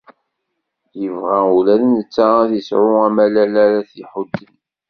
Ibɣa ula d netta ad isɛu amalal ara t-iḥudden.